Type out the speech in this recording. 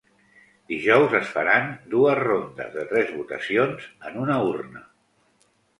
Dijous es faran dues rondes de tres votacions en una urna.